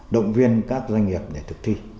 động viên các doanh nghiệp để thực thi